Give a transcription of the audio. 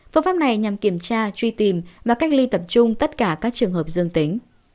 phương pháp này nhằm kiểm tra truy tìm và cách ly tập trung tất cả các trường hợp dương tính